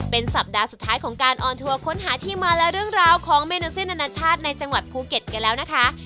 เป็นสัปดาห์สุดท้ายของการออนทัวร์ค้นหาที่มาและเรื่องราวของเมนูเส้นอนาชาติในจังหวัดภูเก็ตกันแล้วนะคะ